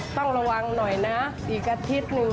ต้องระวังหน่อยนะอีกอาทิตย์หนึ่ง